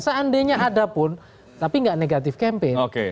seandainya ada pun tapi nggak negatif campaign